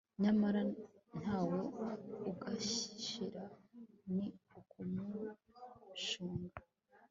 nyamara ntawe ugashira, ni ukumushunga